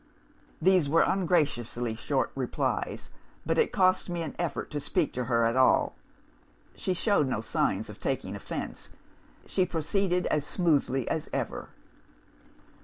"These were ungraciously short replies but it cost me an effort to speak to her at all. She showed no signs of taking offence; she proceeded as smoothly as ever.